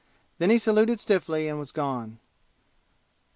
Then he saluted stiffly and was gone.